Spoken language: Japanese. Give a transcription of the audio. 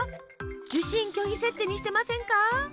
受信拒否設定にしてませんか？